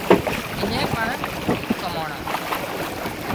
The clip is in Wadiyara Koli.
اڃين پڻ کوٻ ڪماڻا